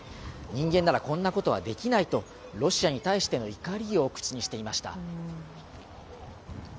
人間ならこんなことはできないとロシアに対する怒りを口にしていました。